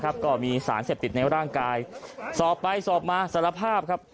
ก็มีสารเสพติดในร่างกายสอบไปสอบมาสารภาพครับ